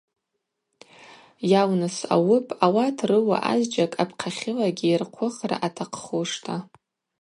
Йалныс ауыпӏ ауат рыуа азджьакӏ апхъахьылагьи йырхъвыхра атахъхушта.